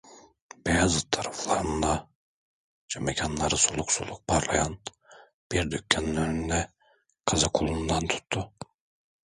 Beyazıt taraflarında, camekanları soluk soluk parlayan bir dükkanın önünde kızı kolundan tuttu: